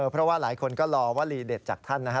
เพราะว่าหลายคนก็รอว่าลีเด็ดจากท่านนะฮะ